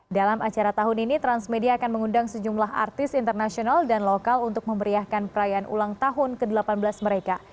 dalam acara tahun ini transmedia akan mengundang sejumlah artis internasional dan lokal untuk memeriahkan perayaan ulang tahun ke delapan belas mereka